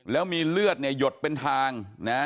แล้วมีเลือดหยดเป็นทางนะ